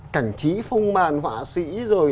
khi phung màn họa sĩ rồi